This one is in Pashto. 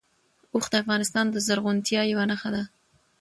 اوښ د افغانستان د زرغونتیا یوه نښه ده.